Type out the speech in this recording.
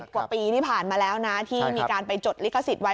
กว่าปีที่ผ่านมาแล้วนะที่มีการไปจดลิขสิทธิ์ไว้